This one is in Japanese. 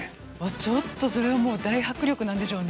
ちょっとそれはもう大迫力なんでしょうね。